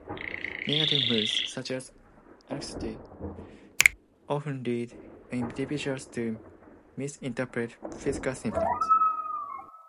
Negative moods, such as anxiety, often lead individuals to misinterpret physical symptoms.